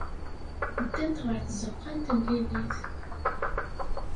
Ddant ɣer tzeɣɣa n temlilit.